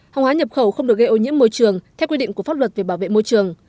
hàng hóa nhập khẩu không được gây ô nhiễm môi trường theo quy định của pháp luật về bảo vệ môi trường